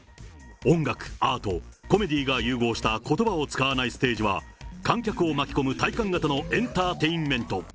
音楽、アート、コメディーが融合したことばを使わないステージは観客を巻き込む体感型のエンターテインメント。